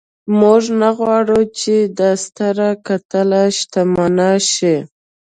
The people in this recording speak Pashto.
موږ نه غواړو چې دا ستره کتله شتمنه شي.